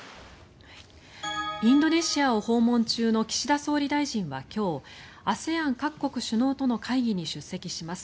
インドネシアを訪問中の岸田総理大臣は今日ＡＳＥＡＮ各国首脳との会議に出席します。